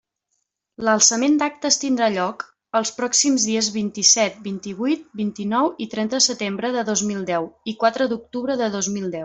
L'alçament d'actes tindrà lloc els pròxims dies vint-i-set, vint-i-huit, vint-i-nou i trenta de setembre de dos mil deu i quatre d'octubre de dos mil deu.